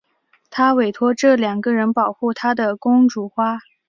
她委托这两个人保护她的公主花。